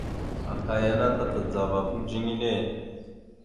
Aka yana ta tadzava kudziŋine cek.